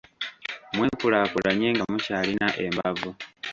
Mwekulaakulanye nga mukyalina embavu.